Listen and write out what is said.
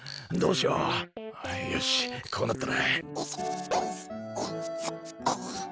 どうしよう。